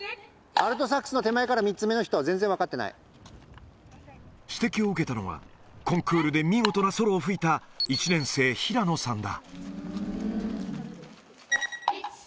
アルトサックスの手前から３指摘を受けたのは、コンクールで見事なソロを吹いた、１年生、平野さんだ。